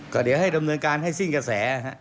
ก็เดี๋ยวเงินการให้สิ้นกระแส